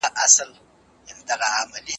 د جرگې ټولو ښاغلو موږكانو